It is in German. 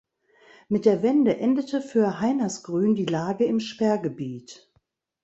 Mit der Wende endete für Heinersgrün die Lage im Sperrgebiet.